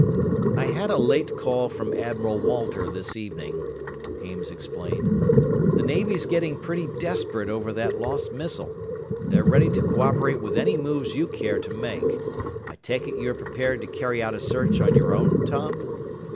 "I had a late call from Admiral Walter this evening," Ames explained. "The Navy's getting pretty desperate over that lost missile. They're ready to co operate with any moves you care to make. I take it you're prepared to carry out a search on your own, Tom?"